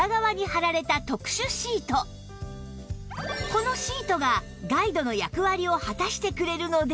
このシートがガイドの役割を果たしてくれるので